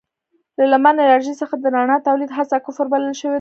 له لمر انرژۍ څخه د رڼا تولید هڅه کفر بلل شوې ده.